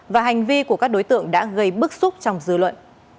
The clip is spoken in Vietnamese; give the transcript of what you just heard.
và hành vi của các đối tượng đã gây bức xúc trong dư luận